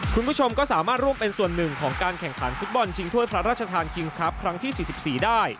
คุณผู้ชมก็สามารถร่วมเป็นส่วนหนึ่งของการแข่งขันฟุตบอลชิงถ้วยพระราชทานคิงส์ครับครั้งที่๔๔ได้